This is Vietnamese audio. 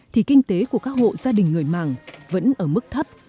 thì kinh tế của các hộ gia đình người mạng vẫn ở mức thấp